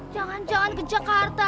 jangan jangan ke jakarta